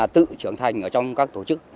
tự trưởng thành trong các tổ chức